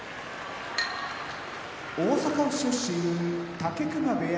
大阪府出身武隈部屋